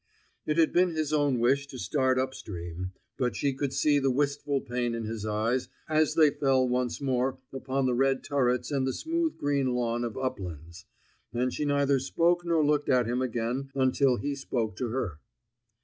It had been his own wish to start upstream; but she could see the wistful pain in his eyes as they fell once more upon the red turrets and the smooth green lawn of Uplands; and she neither spoke nor looked at him again until he spoke to her.